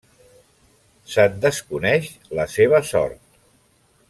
Se'n desconeix la seva sort.